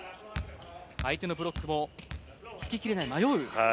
相手のブロックをつき切れない、迷う